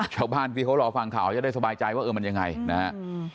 เจ้าบ้านที่เขารอฟังข่าวจะได้สบายใจว่ามันยังไงนะฮะ